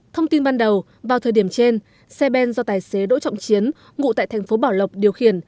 thông tin ban đầu vào thời điểm trên xe ben do tài xế đỗ trọng chiến ngụ tại thành phố bảo lộc điều khiển